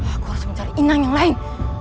aku harus mencari inang yang lain